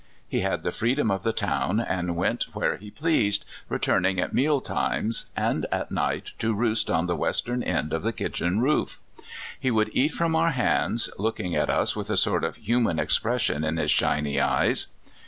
He had the freedom of the town, and went where he pleased, returning at meal times, and at night to roost on the western end of the kitchen roof. He would eat from our hands, look ing at us with a sort of human expression in his shiny eyes.